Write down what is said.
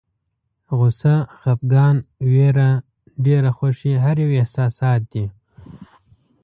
غوسه، خپګان، ویره، ډېره خوښي هر یو احساسات دي.